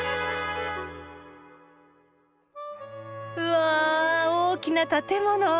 うわ大きな建物。